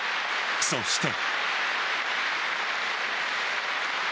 そして。